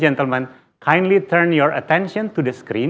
pertama sekali saya ingin memperkenalkan kalian